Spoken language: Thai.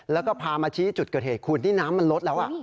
แล้วก็พามาชี้จุดเกิดเหตุคุณที่น้ำมันลดแล้ว